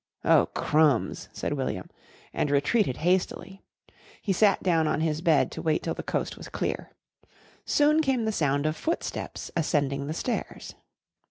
"Oh, crumbs!" said William and retreated hastily. He sat down on his bed to wait till the coast was clear. Soon came the sound of footsteps ascending the stairs.